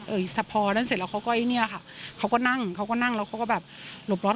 เออพอนั้นเสร็จแล้วเขาก็ไอ้เนี่ยค่ะเขาก็นั่งแล้วเขาก็แบบหลบร้อน